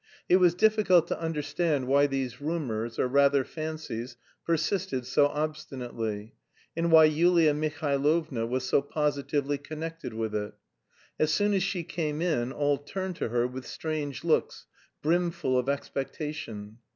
It was difficult to understand why these rumours, or rather fancies, persisted so obstinately, and why Yulia Mihailovna was so positively connected with it. As soon as she came in, all turned to her with strange looks, brimful of expectation.